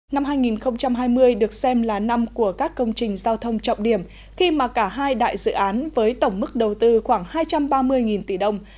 năm hai nghìn hai mươi được xem là năm của các công trình giao thông trọng điểm khi mà cả hai đại dự án với tổng mức đầu tư khoảng hai trăm ba mươi tỷ đồng